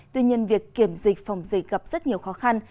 tuy nhiên việc kiểm dịch phòng dịch gặp rất nhiều khó khăn